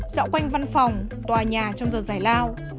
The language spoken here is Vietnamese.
dạo quanh văn phòng tòa nhà trong giờ giải lao